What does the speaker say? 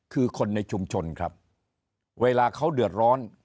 คือคนในชุมชนครับเวลาเขาเดือดร้อน